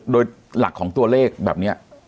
โดยหลักของตัวเลขแบบนี้